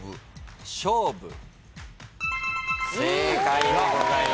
正解でございます。